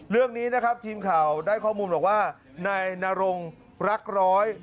เรื่องนี้นะครับทีมข่าวได้ข้อมูลบอกว่านายนรงรักร้อย